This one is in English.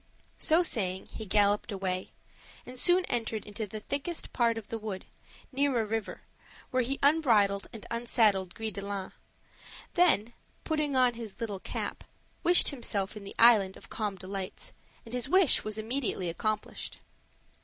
So saying, he galloped away and soon entered into the thickest part of the wood, near a river, where he unbridled and unsaddled Gris de line; then, putting on his little cap, wished himself in the Island of Calm Delights, and his wish was immediately accomplished.